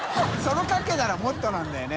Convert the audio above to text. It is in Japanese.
修かけたらもっとなんだよね。